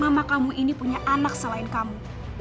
mama kamu ini punya anak selain kamu